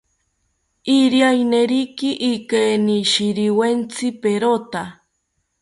Irianeriki ikeinishiriwetzi perota